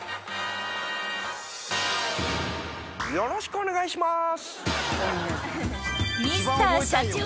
よろしくお願いします！